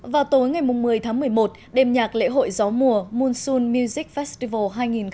vào tối ngày một mươi tháng một mươi một đêm nhạc lễ hội gió mùa munsun music festival hai nghìn một mươi chín